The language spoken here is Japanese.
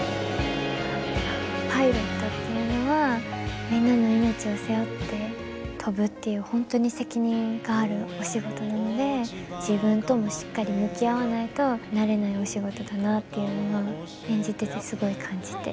パイロットっていうのはみんなの命を背負って飛ぶっていう本当に責任があるお仕事なので自分ともしっかり向き合わないとなれないお仕事だなっていうのが演じててすごい感じて。